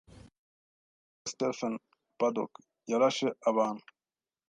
Uwitwa Stephen Paddock yarashe abantu